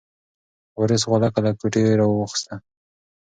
وارث غولکه له کوټې راواخیسته.